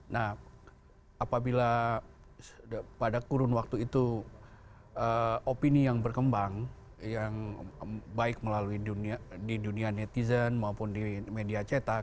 nah apabila pada kurun waktu itu opini yang berkembang yang baik melalui dunia di dunia netizen maupun di media cetak